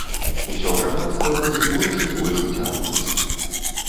Усё грамадства будзе больш і больш уцягвацца.